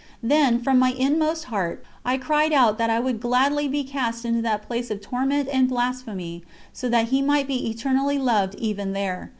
Then, from my inmost heart, I cried out that I would gladly be cast into that place of torment and blasphemy so that He might be eternally loved even there.